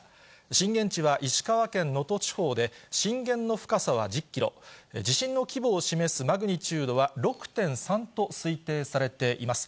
震源地は石川県能登地方で、震源の深さは１０キロ、地震の規模を示すマグニチュードは６．３と推定されています。